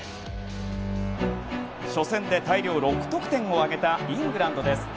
初戦で大量６得点を挙げたイングランドです。